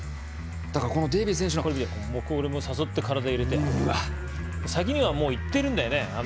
だからデイビス選手もこれも誘って、体入れて先にはもう行ってるんだよね